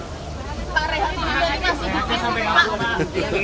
pak rehat dulu jadi masih di pikirin